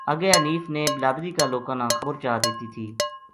اگے حنیف نے بلادری کا لوکاں نا خبر چا دِتی تھی